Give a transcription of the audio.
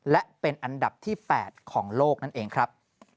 และเป็นอันดับที่๘ของโลกนั่นเองครับ